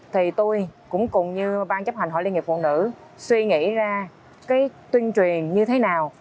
thì tôi cũng cùng như ban chấp hành hội liên hiệp phụ nữ suy nghĩ ra cái tuyên truyền như thế nào